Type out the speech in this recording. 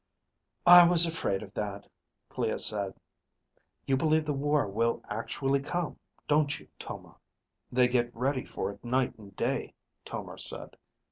"I was afraid of that," Clea said. "You believe the war will actually come, don't you, Tomar?" "They get ready for it night and day," Tomar said.